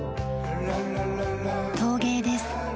陶芸です。